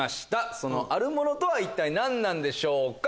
そのあるものとは一体何なんでしょうか？